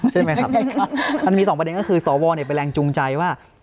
ใช่ไหมครับมันมีสองประเด็นก็คือสวเป็นแรงจูงใจว่า